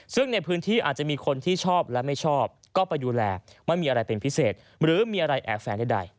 ซึ่งในพื้นที่อาจจะมีคนที่ชอบและไม่ชอบก็ไปดูแลไม่มีอะไรเป็นพิเศษหรือมีอะไรแอบแฝงใด